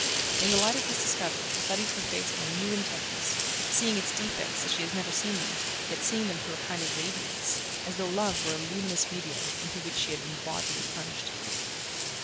In the light of this discovery she studied her face with a new intentness, seeing its defects as she had never seen them, yet seeing them through a kind of radiance, as though love were a luminous medium into which she had been bodily plunged.